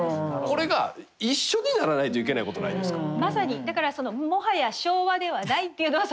これが一緒にならないといけないことないですか。